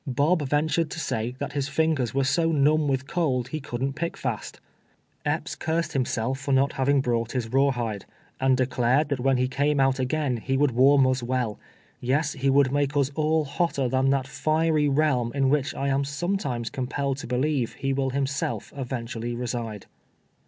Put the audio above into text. Bob veuturi'd to say that his lingers were so numb with cokl he couldn't pick fast, Epps cursed liiniself for not having brought his rawhide, and dechircd that wlien he came out again he would warm us well ; yes, he would make us all hotter than that hery realm in wliich I am sometimes compelled to believe he will himself eventually reside.